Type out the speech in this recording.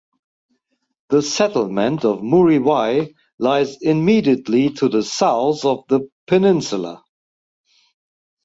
The settlement of Muriwai lies immediately to the south of the peninsula.